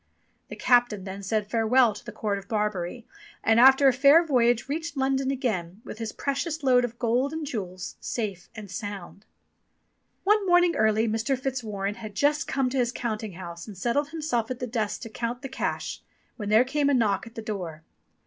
The captain then said farewell to the court of Barbary, and after a fair voyage reached London again with his precious load of gold and jewels safe and sound. One morning early Mr. Fitzwarren had just come to his counting house and settled himself at the desk to count the cash, when there came a knock at the door.